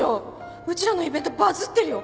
うちらのイベントバズってるよ